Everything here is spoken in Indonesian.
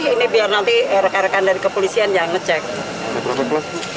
ini biar nanti rekan rekan dari kepolisian yang ngecek